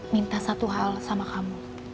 minta satu hal sama kamu